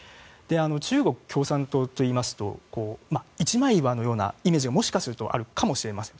中国共産党といいますと一枚岩のようなイメージがもしかしたらあるかもしれません。